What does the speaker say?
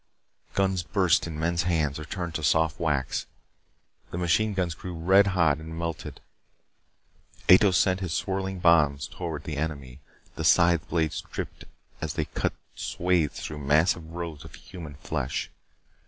Guns burst in men's hands or turned to soft wax. The machine guns grew red hot and melted. Ato sent his swirling bombs toward the enemy. The scythe blades dripped as they cut swaths through massed rows of human flesh.